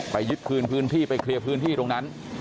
ยึดคืนพื้นที่ไปเคลียร์พื้นที่ตรงนั้น